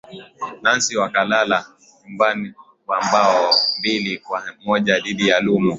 nancy wakalala nyumbani kwa bao mbili kwa moja dhidi ya lumo